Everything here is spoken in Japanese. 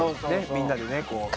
みんなでねこう。